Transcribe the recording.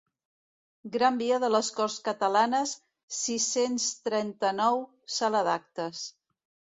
Gran Via de les Corts Catalanes, sis-cents trenta-nou, sala d'actes.